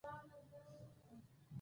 تعليم شوې نجونې د ګډ کار ارزښت ښيي.